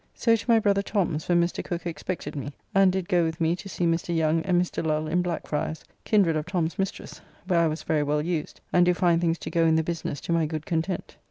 So to my brother Tom's, where Mr. Cooke expected me, and did go with me to see Mr. Young and Mr. Lull in Blackfryers, kindred of Tom's mistress, where I was very well used, and do find things to go in the business to my good content.